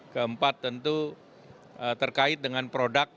keempat tentu terkait dengan produk